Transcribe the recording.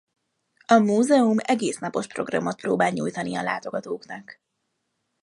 A múzeum egész napos programot próbál nyújtani a látogatóknak.